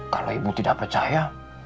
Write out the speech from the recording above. kalau ibu tidak percaya